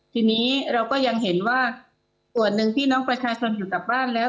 ทีนี้เราก็ยังเห็นว่าส่วนหนึ่งพี่น้องประชาชนอยู่กับบ้านแล้ว